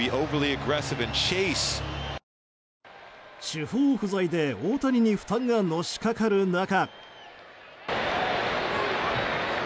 主砲不在で大谷に負担がのしかかる中。